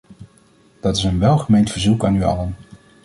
Dat is een welgemeend verzoek aan u allen.